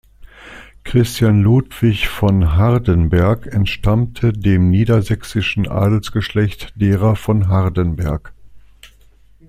Christian Ludwig von Hardenberg entstammte dem niedersächsischen Adelsgeschlecht derer von Hardenberg.